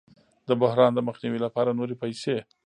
د بحران د مخنیوي لپاره نورې پیسې